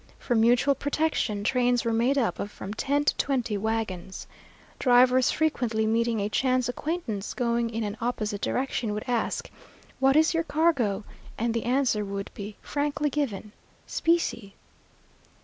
For mutual protection trains were made up of from ten to twenty wagons. Drivers frequently meeting a chance acquaintance going in an opposite direction would ask, "What is your cargo?" and the answer would be frankly given, "Specie."